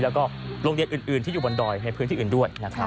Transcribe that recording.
แล้วก็โรงเรียนอื่นที่อยู่บนดอยในพื้นที่อื่นด้วยนะครับ